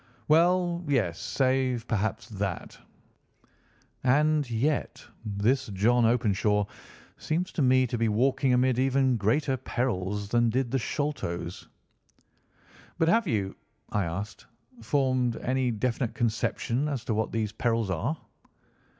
"Well, yes. Save, perhaps, that. And yet this John Openshaw seems to me to be walking amid even greater perils than did the Sholtos." "But have you," I asked, "formed any definite conception as to what these perils are?"